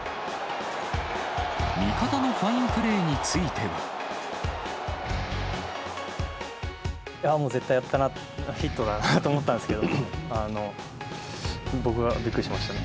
味方のファインプレーについもう絶対やったな、ヒットだなと思ったんですけど、僕がびっくりしましたね。